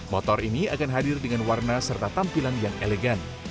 motor ini akan hadir dengan warna serta tampilan yang elegan